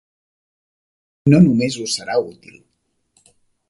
No només us serà útil.